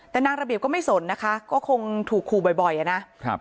แต่นางระเบียบก็ไม่สนนะคะก็คงถูกขู่บ่อยอ่ะนะครับ